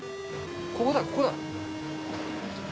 ここだ、ここだ。